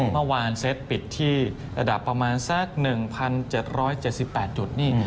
เมื่อวานเซตปิดที่ระดับประมาณสัก๑๗๗๘จุดนี่